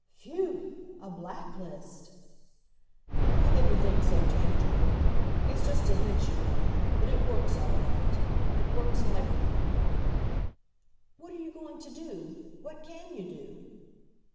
"Phew! A blacklist." "Not anything so tangible. It's just a hint, you know, but it works all right. It works like " "What are you going to do; what can you do?"